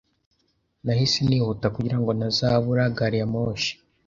Nahise nihuta kugira ngo ntazabura gari ya moshi.